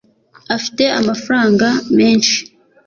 afite amafaranga menshi